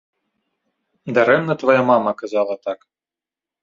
Дарэмна твая мама казала так.